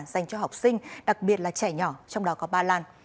dành cho học sinh đặc biệt là trẻ nhỏ trong đó có ba lan